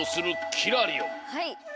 はい。